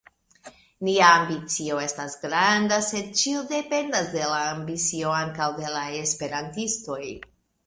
Nia ambicio estas granda, sed ĉio dependos de la ambicio ankaŭ de la esperantistoj.